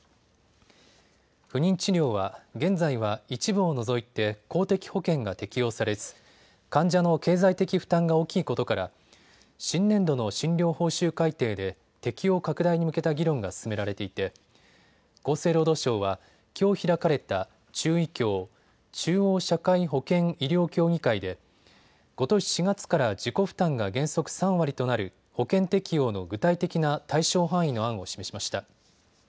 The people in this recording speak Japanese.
不妊治療は現在は一部を除いて公的保険が適用されず患者の経済的負担が大きいことから新年度の診療報酬改定で適用拡大に向けた議論が進められていて厚生労働省はきょう開かれた中医協・中央社会保険医療協議会でことし４月から自己負担が原則３割となる保険適用の具体的な対象範囲の案を示しました。